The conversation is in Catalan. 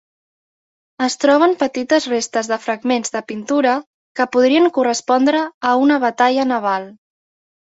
Es troben petites restes de fragments de pintura que podrien correspondre a una batalla naval.